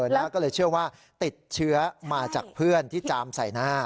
แล้วก็เลยเชื่อว่าติดเชื้อมาจากเพื่อนที่จามใส่หน้า